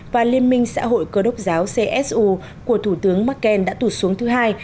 và liên minh xã hội cơ đốc giáo csu của thủ tướng merkel đã tụt xuống thứ hai